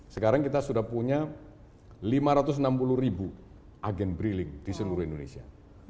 sekarang kita sudah punya lima ratus enam puluh ribu agen briling di seluruh indonesia